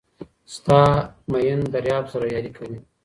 ستا ميین درياب سره ياري کوي